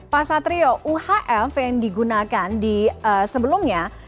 pak satrio uhf yang digunakan di sebelumnya